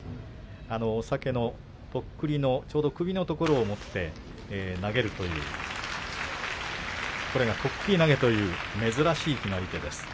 お酒のとっくりのちょうど首のところを持って投げるというとっくり投げという珍しい決まり手です。